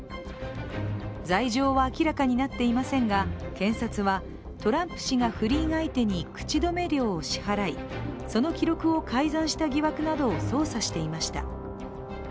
罪状は明らかになっていませんが検察はトランプ氏が不倫相手に口止め料を支払いその記録を改ざんした疑惑などを捜査していました。